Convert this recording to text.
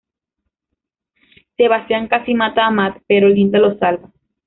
Sebastián casi mata a Matt, pero Linda lo salva.